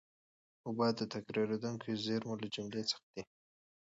اوبه د تکرارېدونکو زېرمونو له جملې څخه دي.